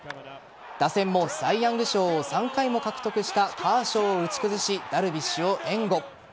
打線もサイ・ヤング賞を３回も獲得したカーショーを打ち崩しダルビッシュを援護。